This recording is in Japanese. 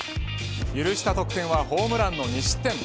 許した得点はホームランの２失点。